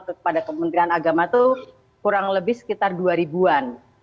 kepada kementerian agama itu kurang lebih sekitar dua ribu an